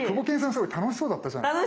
すごい楽しそうだったじゃないですか。